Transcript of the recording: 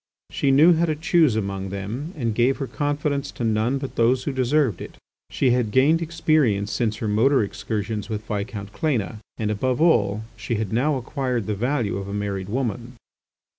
She knew how to choose among them and gave her confidence to none but those who deserved it. She had gained experience since her motor excursions with Viscount Cléna, and above all she had now acquired the value of a married woman.